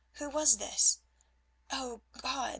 Who was this? Oh, God!